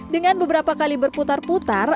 dengan beberapa kali berputar putar